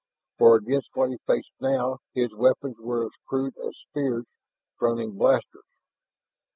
For against what he faced now his weapons were as crude as spears fronting blasters.